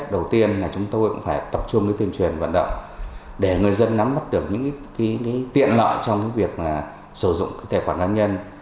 để người dân nắm mắt được những tiện lợi trong việc sử dụng tài khoản doanh nhân